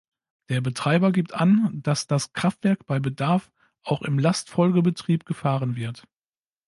Der Betreiber gibt an, dass das Kraftwerk bei Bedarf auch im Lastfolgebetrieb gefahren wird.